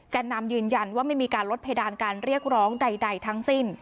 นำยืนยันว่าไม่มีการลดเพดานการเรียกร้องใดทั้งสิ้น